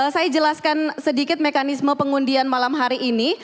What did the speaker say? saya jelaskan sedikit mekanisme pengundian malam hari ini